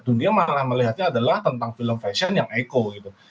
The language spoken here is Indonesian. jadi kita malah melihatnya adalah tentang film fashion yang eco gitu